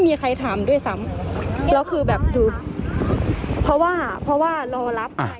แล้วคือแบบดูเพราะว่ารอรับ